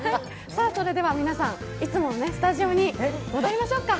それでは、皆さん、いつものスタジオに戻りましょうか。